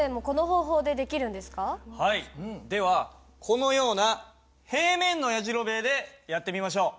このような平面のやじろべえでやってみましょう。